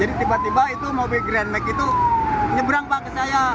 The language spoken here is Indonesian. jadi tiba tiba itu mobil grand max itu nyebrang pak ke saya